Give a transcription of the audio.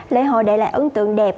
lễ hội để lại ấn tượng đẹp